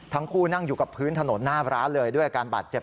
ทั้งคู่นั่งอยู่กับพื้นถนนหน้าร้านเลยด้วยอาการบาดเจ็บ